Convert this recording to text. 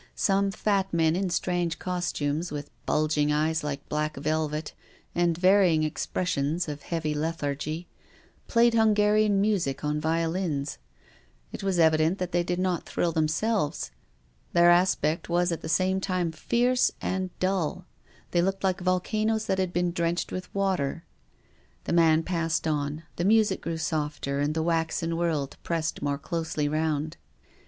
Some fat men in strange costumes, with bulging eyes like black velvet, and varying expressions of heavy lethargy, played Hungarian music on vio lins. It was evident that they did not thrill them selves. Their aspect was at the same time fierce and dull, they looked like volcanoes that had been drenched with water. The man passed on, the music grew softer and the waxen world pressed more closely round.